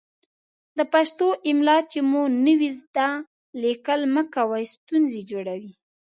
د پښتو املا چې مو نه وي ذده، ليکل مه کوئ ستونزې جوړوي.